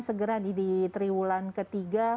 segera di triwulan ketiga